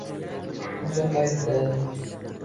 O'sha paytda